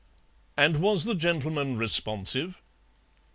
"And was the gentleman responsive?"